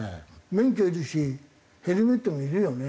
免許いるしヘルメットもいるよね。